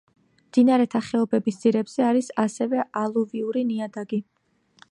მდინარეთა ხეობების ძირებზე არის ასევე ალუვიური ნიადაგი.